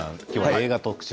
映画特集